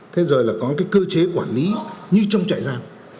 thế rồi là có cơ chế quản lý như trong chạy giam